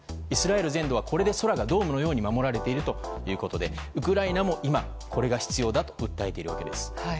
イスラエル全土はこれで空がドームのように守られているということでウクライナも今これが必要だと訴えているわけです。